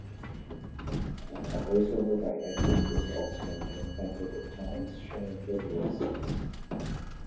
A voiceover by Edward is also implemented at times, sharing further insights.